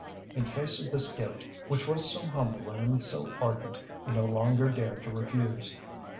In face of this gift which was so humble and so ardent he no longer dared to refuse.